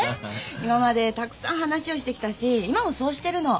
今までたくさん話をしてきたし今もそうしてるの。